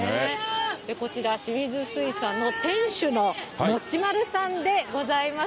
こちら、清水水産の店主の持丸さんでございます。